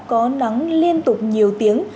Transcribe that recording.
có nắng liên tục nhiều tiếng